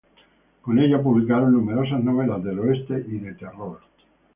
Con ella publicaron numerosas novelas del oeste y de terror.